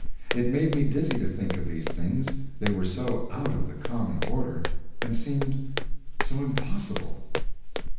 It made me dizzy to think of these things, they were so out of the common order, and seemed so impossible.